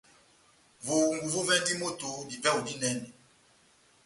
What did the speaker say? Vohungu vovɛndi moto divɛhu dinɛnɛ.